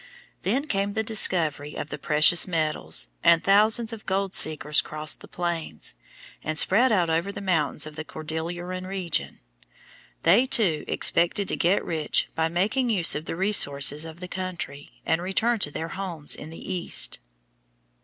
Then came the discovery of the precious metals, and thousands of gold seekers crossed the plains, and spread out over the mountains of the Cordilleran region. They, too, expected to get rich by making use of the resources of the country, and return to their homes in the East.